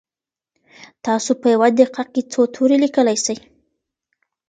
تاسو په یوه دقیقه کي څو توري لیکلی سئ؟